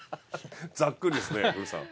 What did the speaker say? ざっくりですね古田さん。